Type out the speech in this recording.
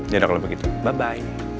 yaudah kalau begitu bye bye